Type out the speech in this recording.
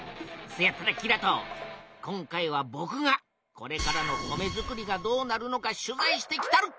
せやったらキラト今回はぼくがこれからの米づくりがどうなるのか取材してきたる！